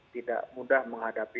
tidak mudah menghadapkan